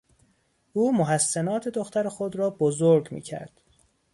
او محسنات دختر خود را بزرگ میکرد.